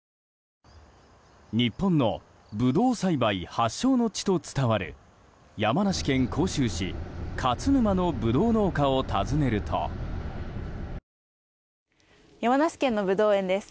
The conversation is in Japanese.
日本のブドウ栽培発祥の地と伝わる山梨県甲州市勝沼のブドウ農家を山梨県のブドウ園です。